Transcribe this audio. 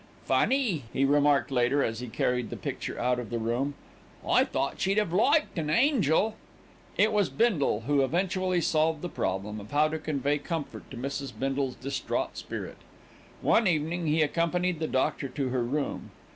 "Funny," he remarked later as he carried the picture out of the room. "I thought she'd 'ave liked an angel." It was Bindle who eventually solved the problem of how to convey comfort to Mrs. Bindle's distraught spirit. One evening he accompanied the doctor to her room.